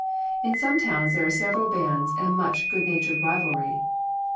In some towns there are several bands and much good natured rivalry.